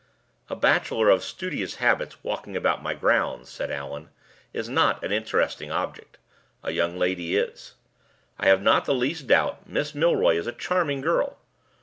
"A bachelor of studious habits walking about my grounds," said Allan, "is not an interesting object; a young lady is. I have not the least doubt Miss Milroy is a charming girl.